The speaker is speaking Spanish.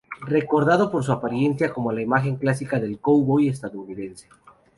Recordado por su apariencia como la imagen clásica del cowboy estadounidense.